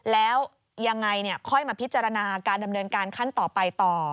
แล้วยังไงค่อยมาพิจารณาการดำเนินการขั้นต่อไปต่อ